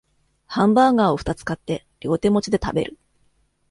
ハンバーガーをふたつ買って両手持ちで食べる